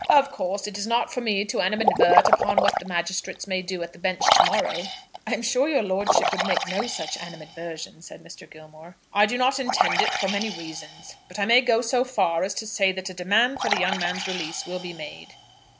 Of course, it is not for me to animadvert upon what the magistrates may do at the bench to morrow." "I am sure your lordship would make no such animadversion," said Mr. Gilmore. "I do not intend it, for many reasons. But I may go so far as to say that a demand for the young man's release will be made."